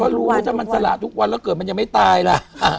รู้ไหมถ้ามันสละทุกวันแล้วเกิดมันยังไม่ตายล่ะ